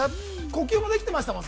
呼吸もできてましたもん。